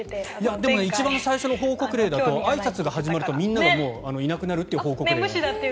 でも一番最初の報告例だとあいさつが始まるとみんながいなくなるっていう。